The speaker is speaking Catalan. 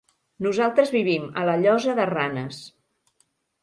Nosaltres vivim a la Llosa de Ranes.